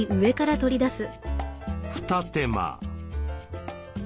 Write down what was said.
二手間。